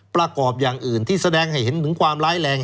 ประกอบอย่างอื่นที่แสดงให้เห็นถึงความร้ายแรง